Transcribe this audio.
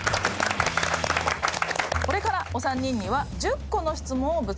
これからお三人には１０個の質問をぶつけます。